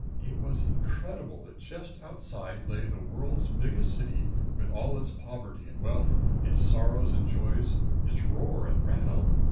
It was incredible that just outside lay the world's biggest city, with all its poverty and wealth, its sorrows and joys, its roar and rattle.